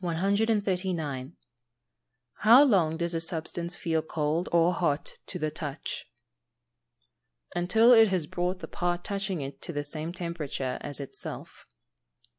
139. How long does a substance feel cold or hot to the touch? Until it has brought the part touching it to the same temperature as itself.